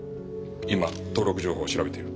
今登録情報を調べている。